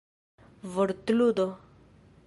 vortludo